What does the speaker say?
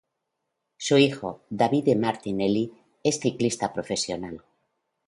Su hijo, Davide Martinelli es ciclista profesional.